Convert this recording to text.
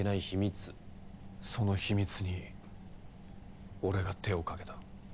その秘密に俺が手をかけた。